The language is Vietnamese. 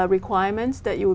tôi có một câu hỏi